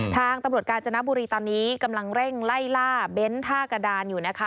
ทางตำรวจกาญจนบุรีตอนนี้กำลังเร่งไล่ล่าเบ้นท่ากระดานอยู่นะคะ